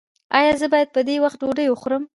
ایا زه باید په وخت ډوډۍ وخورم؟